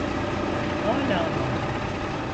Hala mı?